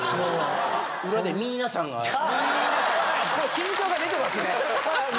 もう緊張が出てますね。